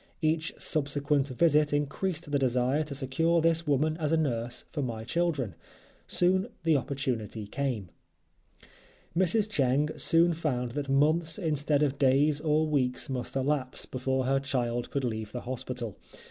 Each subsequent visit increased the desire to secure this woman as a nurse for my children. Soon the opportunity came. Mrs. Cheng soon found that months instead of days or weeks must elapse, before her child could leave the hospital.